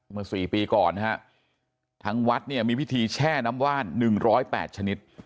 เมื่อ๔ปีก่อนนะฮะทั้งวัดเนี่ยมีพิธีแช่น้ำว่าน๑๐๘ชนิด